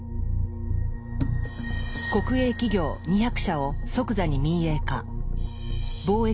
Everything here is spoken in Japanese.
国営企業２００社を即座に民営化。